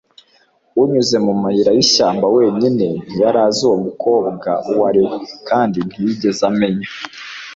unyuze mu mayira yishyamba wenyine. ntiyari azi uwo mukobwa uwo ari we, kandi ntiyigeze amenya